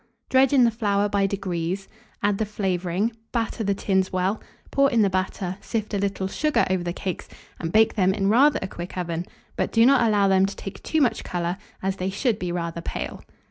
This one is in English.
Dredge in the flour by degrees, add the flavouring; batter the tins well, pour in the batter, sift a little sugar over the cakes, and bake them in rather a quick oven, but do not allow them to take too much colour, as they should be rather pale.